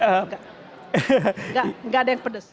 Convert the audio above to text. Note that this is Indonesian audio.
enggak ada yang pedes